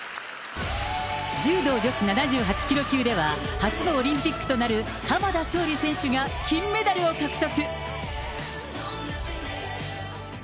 柔道女子７８キロ級では、初のオリンピックとなる浜田尚里選手が金メダルを獲得。